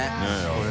これ。